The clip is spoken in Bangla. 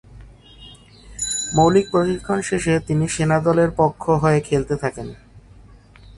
মৌলিক প্রশিক্ষণ শেষে তিনি সেনা দলের পক্ষ হয়ে খেলতে থাকেন।